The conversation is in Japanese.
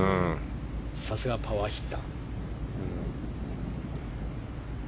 さすがパワーヒッター。